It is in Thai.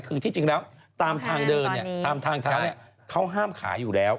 คือที่จริงแล้วตามทางเดินเนี่ยตามทางเท้าเนี่ยเขาห้ามขายอยู่แล้ว